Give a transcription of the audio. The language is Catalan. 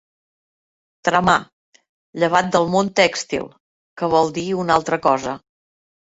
Tramar, llevat del món tèxtil, que vol dir una altra cosa.